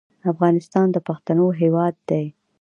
افغانستان د پښتنو هېواد دی.